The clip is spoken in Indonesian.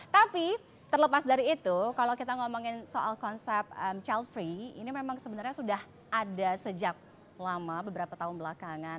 tapi terlepas dari itu kalau kita ngomongin soal konsep child free ini memang sebenarnya sudah ada sejak lama beberapa tahun belakangan